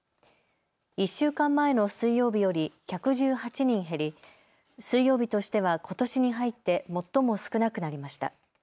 １週間前の水曜日より１１８人減り水曜日としてはことしに入って最も少なくなりました。